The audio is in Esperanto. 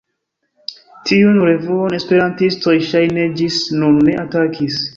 Tiun revuon esperantistoj ŝajne ĝis nun ne atakis.